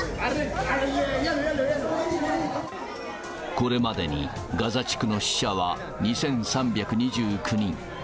これまでにガザ地区の死者は２３２９人。